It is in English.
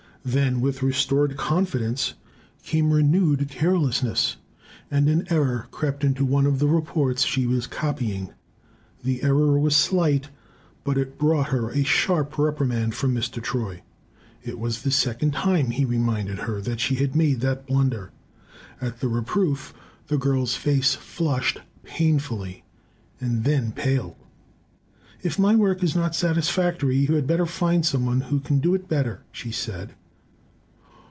Then, with restored confidence, came renewed carelessness, and an error crept into one of the reports she was copying. The error was slight, but it brought her a sharp reprimand from Mr. Troy. It was the second time, he reminded her, that she had made that blunder. At the reproof the girl's face flushed painfully, and then paled. "If my work is not satisfactory, you had better find some one who can do it better," she said.